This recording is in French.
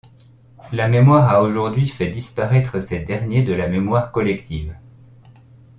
La mémoire a aujourd'hui fait disparaître ces derniers de la mémoire collective.